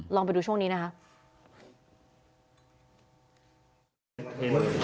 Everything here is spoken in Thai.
ลองไปดูช่วงนี้นะครับ